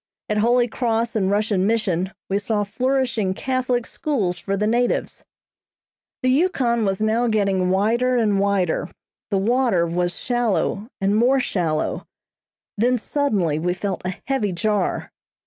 At Holy Cross and Russian Mission we saw flourishing Catholic schools for the natives. The Yukon was now getting wider and wider, the water was shallow and more shallow, then suddenly we felt a heavy jar.